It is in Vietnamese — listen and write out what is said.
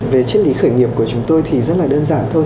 về chất lý khởi nghiệp của chúng tôi thì rất là đơn giản thôi